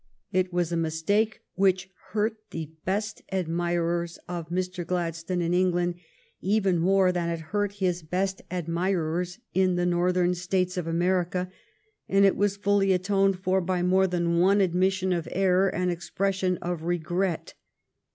It was a mistake which hurt the best admirers of Mr. Gladstone in England even more than it hurt his best admirers in the North ern States of America, and it was fully atoned for by more than one admission of error and expression of regret.